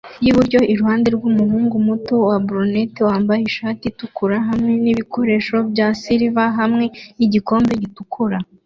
yibiryo iruhande rwumuhungu muto wa brunette wambaye ishati itukura hamwe nibikoresho bya silver hamwe nigikombe gitukura